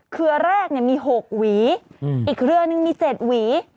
เครือแรกมี๖หวีอีกเครือนึงมี๗หวี